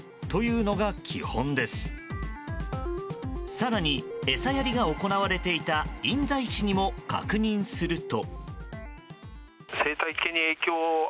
更に、餌やりが行われていた印西市にも確認すると。